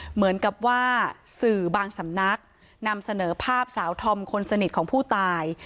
เหมือนกับว่าสื่อบางสำนักนำเสนอภาพสาวธอมคนสนิทของผู้ตาย